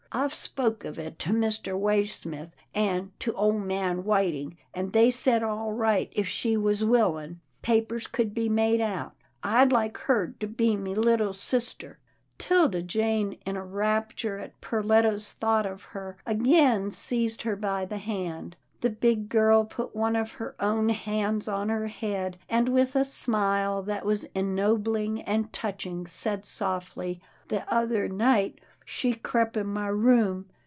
I've spoke of it to Mr. Waysmith, an' to ole man Whiting, an' they said all right, if she was willin'. Papers could be made out. I'd like her to be my leetle sister." 'Tilda Jane, in a rapture at Perletta's thought of her, again seized her by the hand. The big girl put one of her own hands on her head, and with a smile that was ennobling and touching, said softly, " The other night, she crep' in my room.